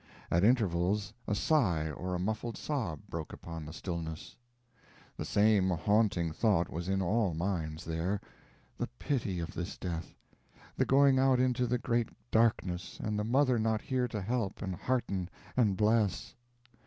At intervals a sigh or a muffled sob broke upon the stillness. The same haunting thought was in all minds there: the pity of this death, the going out into the great darkness, and the mother not here to help and hearten and bless.